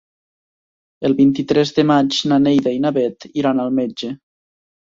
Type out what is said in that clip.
El vint-i-tres de maig na Neida i na Bet iran al metge.